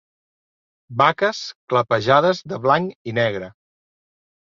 Vaques clapejades de blanc i negre.